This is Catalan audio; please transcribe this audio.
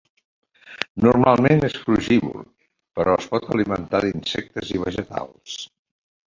Normalment és frugívor, però es pot alimentar d'insectes i vegetals.